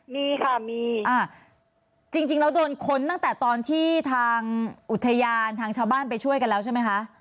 มีค่ะมีจริงแล้วโดนค้นตั้งแต่ตอนที่ทางอุทยานทางชาวบ้านไปช่วยกันแล้วใช่ไหมคะ